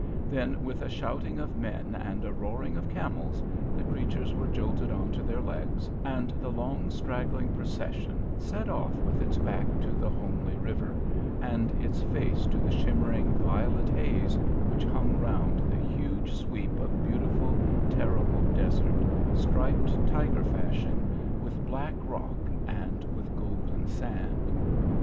Then, with a shouting of men and a roaring of camels, the creatures were jolted on to their legs, and the long, straggling procession set off with its back to the homely river, and its face to the shimmering, violet haze, which hung round the huge sweep of beautiful, terrible desert, striped tiger fashion with black rock and with golden sand.